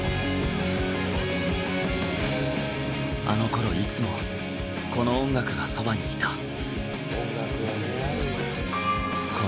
あのころいつもこの音楽がそばにいた。